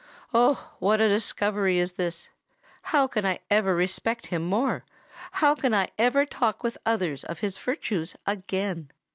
Oh! what a discovery is this! How can I ever respect him more? how can I ever talk with others of his virtues again?